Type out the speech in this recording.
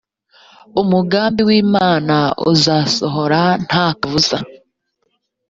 umugambi w imana uzasohora nta kabuza